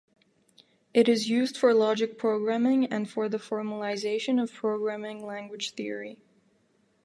It is used for logic programming and for the formalization of programming language theory.